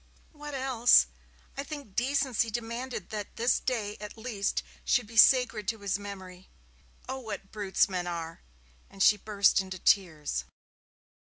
'What else! I think decency demanded that this day, at least, should be sacred to his memory. Oh, what brutes men are!' And she burst into tears.